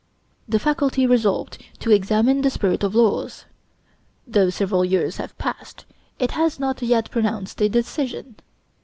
The faculty resolved to examine the 'Spirit of Laws.' Though several years have passed, it has not yet pronounced a decision.